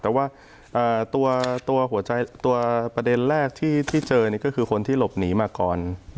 แต่ว่าตัวประเด็นแรกที่เจอนี่ก็คือคนที่หลบหนีมาก่อน